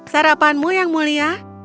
sarapanmu yang mulia